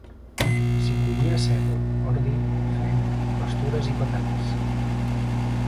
S'hi collia sègol, ordi, fenc, pastures i patates.